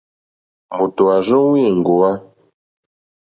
Mòtò à rzóŋwí èŋɡòwá.